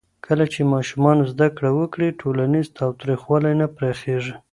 کله چې ماشومان زده کړه وکړي، ټولنیز تاوتریخوالی نه پراخېږي.